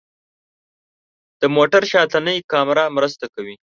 د موټر شاتنۍ کامره مرسته کوي.